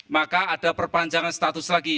maka ada perpanjangan status lagi